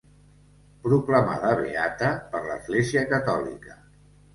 Proclamada beata per l'Església catòlica.